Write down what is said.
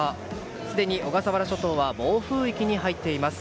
すでに小笠原諸島は暴風域に入っています。